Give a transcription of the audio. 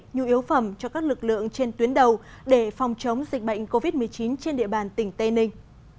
nhu yếu phẩm cho các lực lượng trên tuyến đầu để phòng chống dịch bệnh covid một mươi chín trên địa bàn tỉnh tây ninh